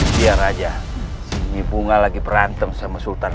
biar aja ini bunga lagi perantem sama sultan